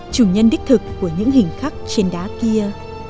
chủ nhân đích thực của những hình khắc trên đá kia